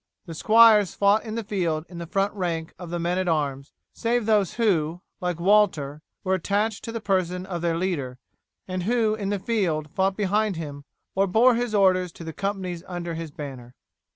The squires fought in the field in the front rank of the men at arms, save those who, like Walter, were attached to the person of their leader, and who in the field fought behind him or bore his orders to the companies under his banner.